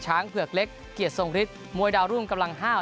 เผือกเล็กเกียรติทรงฤทธิ์มวยดาวรุ่งกำลังห้าว